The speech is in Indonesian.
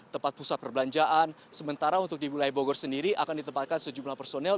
tempat pusat perbelanjaan sementara untuk di wilayah bogor sendiri akan ditempatkan sejumlah personel